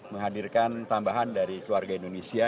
menghadirkan tambahan dari keluarga indonesia